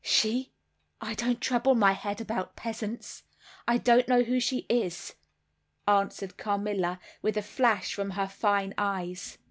"She? I don't trouble my head about peasants. I don't know who she is," answered Carmilla, with a flash from her fine eyes.